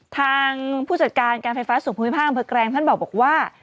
ทางผู้จัดการการไฟฟ้าส่วนภูมิภาคอำเภอแกรงท่านบอกว่า